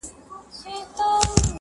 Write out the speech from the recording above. ورور له کلي لرې کيږي ډېر,